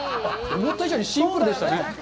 思った以上にシンプルでしたね。